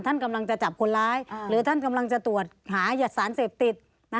ท่านกำลังจะจับคนร้ายหรือท่านกำลังจะตรวจหายัดสารเสพติด